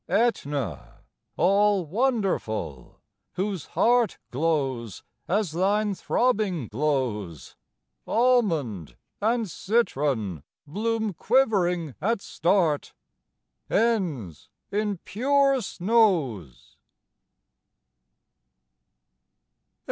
Aetna, all wonderful, whose heart Glows as thine throbbing glows, Almond and citron bloom quivering at start, Ends in pure snows.